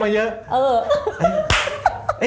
มาเอาวะ